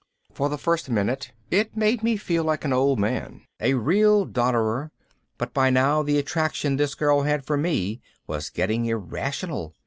For the first minute it made me feel like an old man, a real dodderer, but by now the attraction this girl had for me was getting irrational.